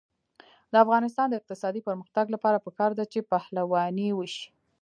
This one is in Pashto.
د افغانستان د اقتصادي پرمختګ لپاره پکار ده چې پهلواني وشي.